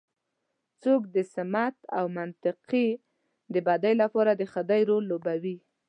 څوک د سمت او منطقې د بدۍ لپاره د خدۍ رول لوبوي.